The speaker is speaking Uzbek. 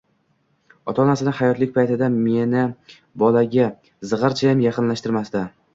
Ota-onasi hayotlik paytida meni bolaga zigʻirchayam yaqinlashtirmasdi.